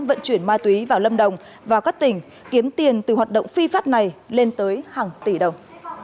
vận chuyển ma túy vào lâm đồng vào các tỉnh kiếm tiền từ hoạt động phi pháp này lên tới hàng tỷ đồng